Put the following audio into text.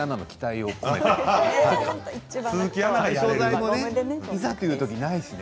緩衝材もいざという時ないしね。